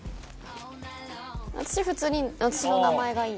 私普通に私の名前がいい。